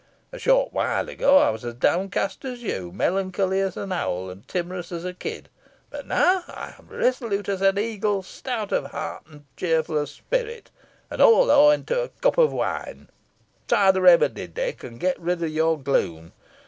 A short while ago I was downcast as you, melancholy as an owl, and timorous as a kid, but now I am resolute as an eagle, stout of heart, and cheerful of spirit; and all owing to a cup of wine. Try the remedy, Dick, and get rid of your gloom.